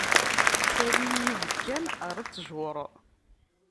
Ttalin yibekkan ar ṭṭjuṛ.